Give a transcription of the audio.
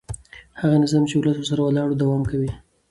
هغه نظام چې ولس ورسره ولاړ وي دوام کوي